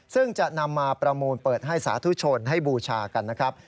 ซึ่งจะนำมาประมูลเปิดให้สาธุชนให้บูชากันนะครับ